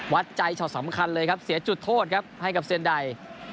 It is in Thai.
วัดใจช็อตสำคัญเลยครับเสียจุดโทษครับให้กับเซียนได